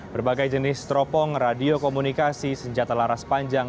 berbagai jenis teropong radio komunikasi senjata laras panjang